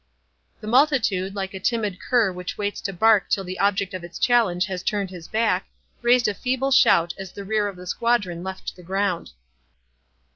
The multitude, like a timid cur which waits to bark till the object of its challenge has turned his back, raised a feeble shout as the rear of the squadron left the ground.